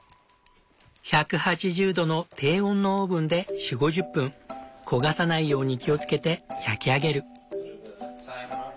１８０度の低温のオーブンで４０５０分焦がさないように気を付けて焼き上げる。